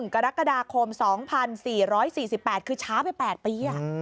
กรกฎาคม๒๔๔๘คือช้าไป๘ปี